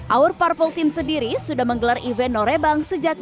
our purple team sendiri sudah menggelar event norebang sejak dua ribu dua puluh